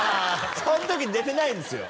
その時寝てないですよ